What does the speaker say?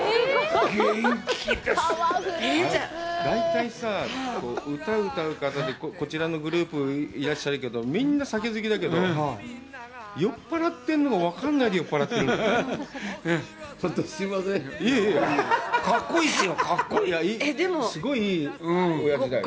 大体さ、歌、歌う方でこちらのグループ、いらっしゃるけど、みんな酒好きだけど、酔っ払ってるのが分からないで酔っ払ってるんだね。